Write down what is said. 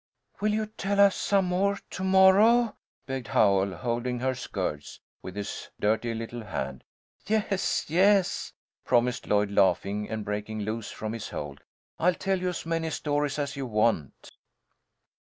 "Will you tell us some more to morrow?" begged Howell, holding her skirts with his dirty little hand. "Yes, yes," promised Lloyd, laughing and breaking loose from his hold. "I'll tell you as many stories as you want."